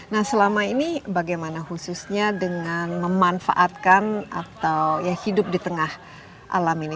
nah selama ini bagaimana khususnya dengan memanfaatkan atau ya hidup di tengah alam ini